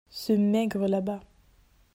ce maigre là-bas.